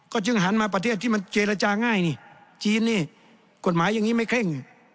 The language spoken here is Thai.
จึงหันมาประเทศที่มันเจรจาง่ายนี่จีนนี่กฎหมายอย่างนี้ไม่เคร่ง